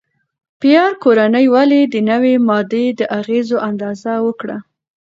پېیر کوري ولې د نوې ماده د اغېزو اندازه وکړه؟